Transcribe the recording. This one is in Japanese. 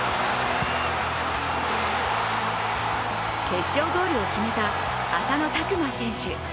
決勝ゴールを決めた浅野拓磨選手。